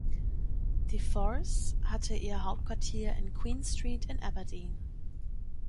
Die Force hatte ihr Hauptquartier in Queen Street in Aberdeen.